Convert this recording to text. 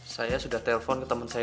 saya sudah telfon ke temen saya enam puluh